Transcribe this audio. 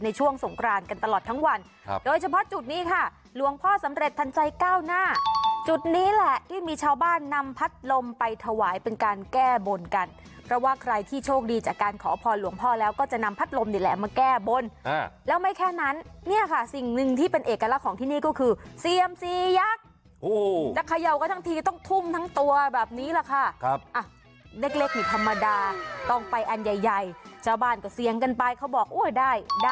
ในช่วงสงกรานกันตลอดทั้งวันโดยเฉพาะจุดนี้ค่ะหลวงพ่อสำเร็จทันใจก้าวหน้าจุดนี้แหละที่มีชาวบ้านนำพัดลมไปถวายเป็นการแก้บนกันเพราะว่าใครที่โชคดีจากการขอพรหลวงพ่อแล้วก็จะนำพัดลมนี่แหละมาแก้บนแล้วไม่แค่นั้นเนี่ยค่ะสิ่งหนึ่งที่เป็นเอกลักษณ์ของที่นี่ก็คือเสียมสี่ยั